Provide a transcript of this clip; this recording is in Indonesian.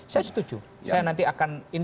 saya setuju saya nanti akan ini